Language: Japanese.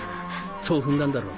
そう踏んだんだろう。